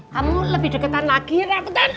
kamu lebih deketan lagi rapotan